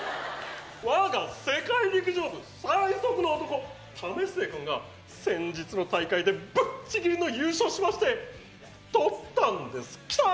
わが世界陸上部最速の男、為末君が、先日の大会でぶっちぎりの優勝しまして、とったんです、きたー！